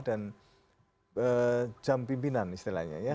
dan jam pimpinan istilahnya ya